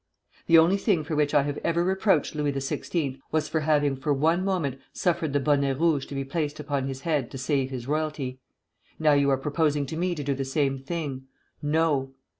_ The only thing for which I have ever reproached Louis XVI. was for having for one moment suffered the bonnet rouge to be placed upon his head to save his royalty. Now you are proposing to me to do the same thing. No!'